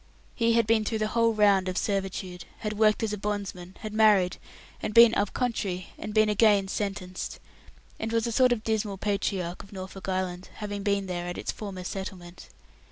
He had been through the whole round of servitude, had worked as a bondsman, had married, and been "up country", had been again sentenced, and was a sort of dismal patriarch of Norfolk Island, having been there at its former settlement.